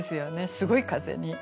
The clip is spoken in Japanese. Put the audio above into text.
すごい風に。